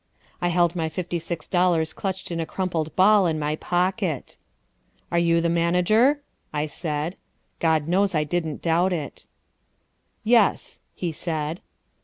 I held my fifty six dollars clutched in a crumpled ball in my pocket. "Are you the manager?" I said. God knows I didn't doubt it. "Yes," he said.